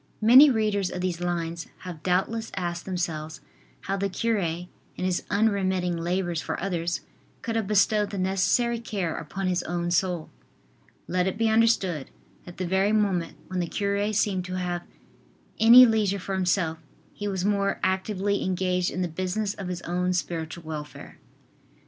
Many readers of these lines have doubtless asked themselves how the cure, in his unremitting labors for others, could have bestowed the necessary care upon his own soul. Let it be understood that the very moment when the cure seemed to have any leisure for himself, he was more actively engaged in the business of his own spiritual welfare.